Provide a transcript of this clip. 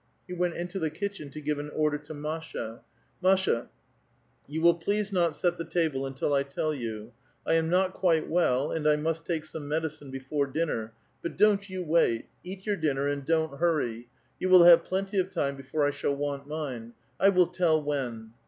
He went iuto the kitchen to give an order to Masha. ^^Masha, jou will please not set the table until I tell 3'ou. X am not quite well, and I must take some medicine before <liuner. But don't you wait; eat your dinner, and don't iiurry : jou will have plenty of time before I shall want mine. I will tell when."